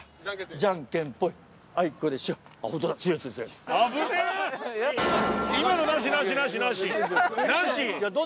じゃんけんぽん！